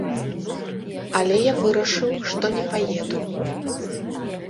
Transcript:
Але я вырашыў, што не паеду.